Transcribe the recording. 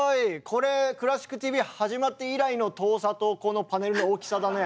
これ「クラシックＴＶ」始まって以来の遠さとこのパネルの大きさだね。